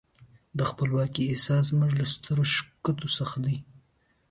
د خپلواکۍ احساس زموږ له سترو ښېګڼو څخه دی.